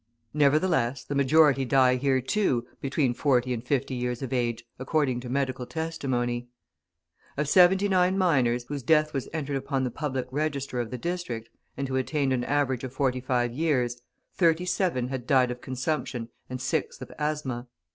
Nevertheless, the majority die here, too, between forty and fifty years of age, according to medical testimony. Of 79 miners, whose death was entered upon the public register of the district, and who attained an average of 45 years, 37 had died of consumption and 6 of asthma.